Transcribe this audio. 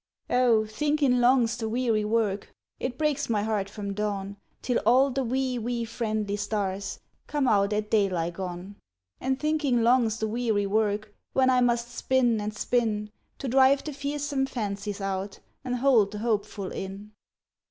Oh thinkin' long's the weary work! It breaks my heart from dawn Till all the wee, wee, friendly stars Come out at dayli'gone. An' thinkin' long's the weary work, When I must spin and spin, To drive the fearsome fancies out, An' hold the hopeful in!